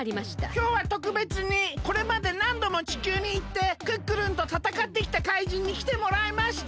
きょうはとくべつにこれまでなんども地球にいってクックルンとたたかってきた怪人にきてもらいました。